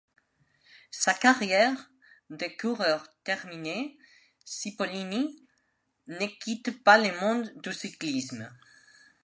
Sa carrière de coureur terminée, Cipollini ne quitte pas le monde du cyclisme.